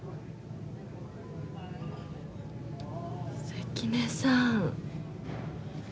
関根さん。